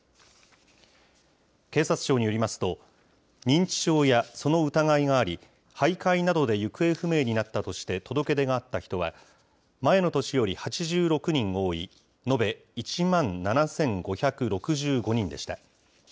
警察庁によりますと、認知症やその疑いがあり、はいかいなどで行方不明になったとして届け出があった人は、前の年より８６人多い、延べ１万７５６５人でした。